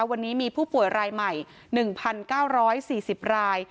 วันนี้มีผู้ป่วยรายใหม่๑๙๔๐ราย